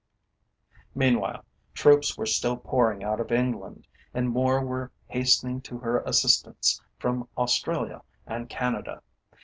Meanwhile, troops were still pouring out of England, and more were hastening to her assistance from Australia and Canada.